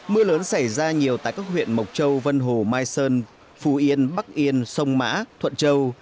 mưa lớn xảy ra nhiều tại các huyện mộc châu vân hồ mai sơn phú yên bắc yên sông mã thuận châu